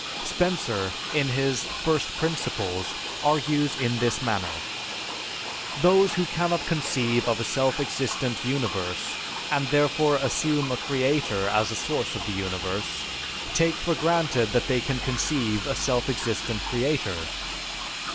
Spencer in his "First Principles" argues in this manner: "Those who cannot conceive of a self existent Universe, and therefore assume a creator as the source of the Universe, take for granted that they can conceive a self existent creator.